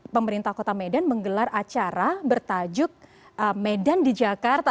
pemerintah kota medan menggelar acara bertajuk medan di jakarta